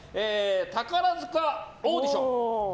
宝塚オーディション。